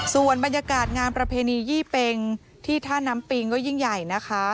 ส่วนบรรยากาศงานประเพณียี่เป็งที่ท่าน้ำปิงก็ยิ่งใหญ่นะคะ